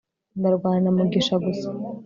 ndarwana na mugisha gusa